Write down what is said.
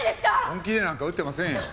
本気でなんか打ってませんよ。